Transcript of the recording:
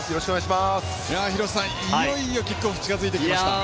廣瀬さん、いよいよキックオフ近づいてきました。